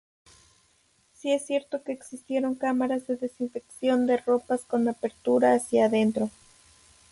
Sí es cierto que existieron cámaras de desinfección de ropas con apertura hacia adentro.